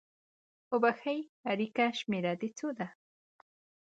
اوبښئ! اړیکې شمیره د څو ده؟